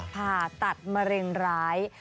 ผ่าตัดมะเร็งร้าย